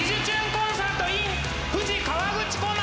コンサートｉｎ富士河口湖町」！